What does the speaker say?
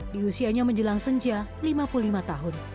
di usianya menjelang senja lima puluh lima tahun